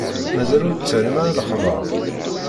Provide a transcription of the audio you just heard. Mazal ur d-terrim ara s lexbaṛ?